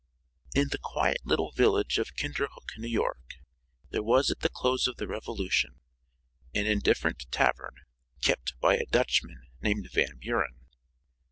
In the quiet little village of Kinderhook, New York, there was at the close of the Revolution, an indifferent tavern kept by a Dutchman named Van Buren.